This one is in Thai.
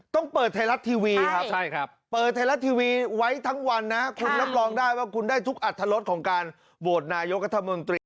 ต้องเปิดไทยรัฐทีวีครับเปิดไทยรัฐทีวีไว้ทั้งวันนะคุณรับรองได้ว่าคุณได้ทุกอัตรรสของการโหวตนายกัธมนตรี